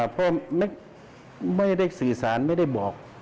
เพราะไม่ได้สื่อสารไม่ได้บอก